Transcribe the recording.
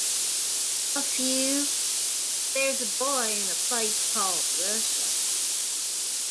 A few...There's a boy in a place called Russia.